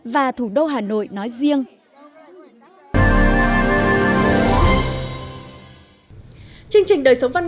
và thủ đô hà nội nói riêng